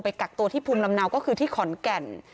กักตัวที่ภูมิลำเนาก็คือที่ขอนแก่น